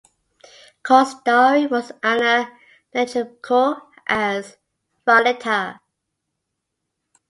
Co-starring was Anna Netrebko as Violetta.